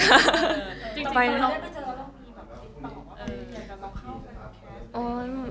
เจอกับมายาเสมออะไรเล่นไหม